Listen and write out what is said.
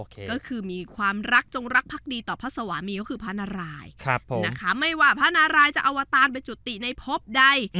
ก็คือมีความรักจงรักพักดีต่อพระสวามีก็คือพระนารายนะคะไม่ว่าพระนารายจะอวตารไปจุติในพบใด